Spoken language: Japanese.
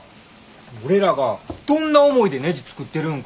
俺らがどんな思いでねじ作ってるんか。